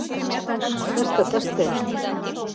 — Тыште, тыште...